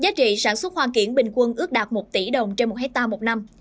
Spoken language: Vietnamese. giá trị sản xuất hoa kiển bình quân ước đạt một tỷ đồng trên một hectare một năm